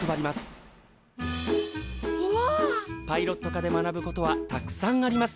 パイロット科で学ぶことはたくさんあります。